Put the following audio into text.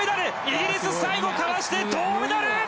イギリス、最後かわして銅メダル！